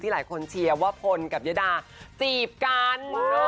ทุกคนเชียว่าภนกับยดาจีบกัน